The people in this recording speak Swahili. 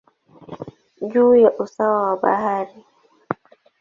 juu ya usawa wa bahari.